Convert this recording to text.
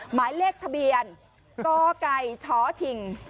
หมายเลขทะเบียนกช๖๖๓๕